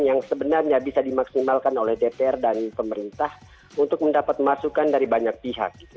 yang sebenarnya bisa dimaksimalkan oleh dpr dan pemerintah untuk mendapat masukan dari banyak pihak